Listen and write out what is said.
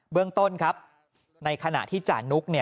เรื่องต้นครับในขณะที่จานุก